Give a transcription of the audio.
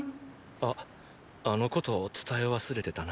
ああのこと伝え忘れてたな。